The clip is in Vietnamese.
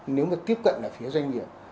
nếu mà tiếp cận là phía doanh nghiệp